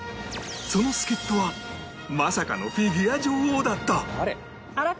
その助っ人はまさかのフィギュア女王だった